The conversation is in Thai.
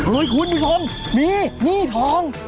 อุ๊ยคุณผู้ชมมีนี่ทอง